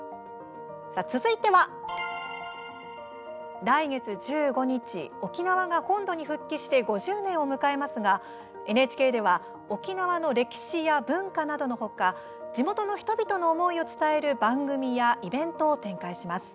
さあ、続いては来月１５日沖縄が本土に復帰して５０年を迎えますが、ＮＨＫでは沖縄の歴史や文化などのほか地元の人々の思いを伝える番組やイベントを展開します。